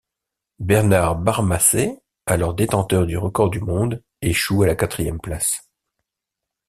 Bernard Barmasai, alors détenteur du record du monde, échoue à la quatrième place.